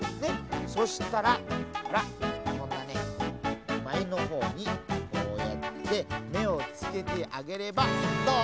そしたらほらこんなねまえのほうにこうやってめをつけてあげればどう？